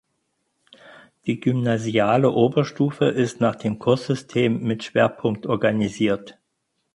Die gymnasiale Oberstufe ist nach dem Kurssystem mit Schwerpunkt organisiert.